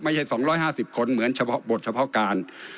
ไม่ใช่๒๕๐คนเหมือนบทเฉพาะการ